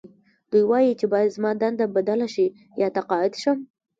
دوی وايي چې باید زما دنده بدله شي یا تقاعد شم